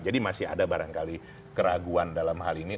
jadi masih ada barangkali keraguan dalam hal ini